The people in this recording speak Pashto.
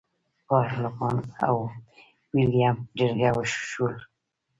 پارلمان او ویلیم جرګه شول.